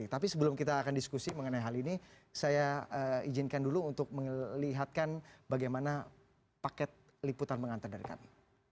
tapi sebelum kita akan diskusi mengenai hal ini saya izinkan dulu untuk melihatkan bagaimana paket liputan mengantar dari kami